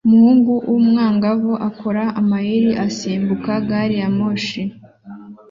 Umuhungu w'umwangavu akora amayeri asimbuka gari ya moshi